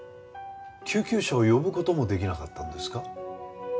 救急車を呼ぶ事も出来なかったんですか？